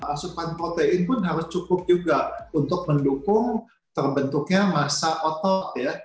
asupan protein pun harus cukup juga untuk mendukung terbentuknya masa otot